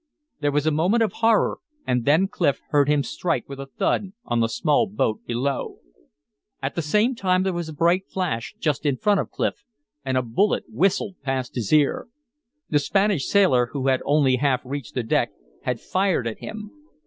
There was a moment of horror, and then Clif heard him strike with a thud on the small boat below. At the same time there was a bright flash just in front of Clif, and a bullet whistled past his ear. The Spanish sailor, who had only half reached the deck, had fired at him.